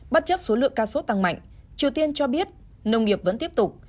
bất chấp số lượng ca sốt tăng mạnh triều tiên cho biết nông nghiệp vẫn tiếp tục